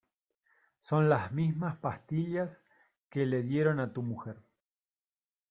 son las mismas pastillas que le dieron a tu mujer.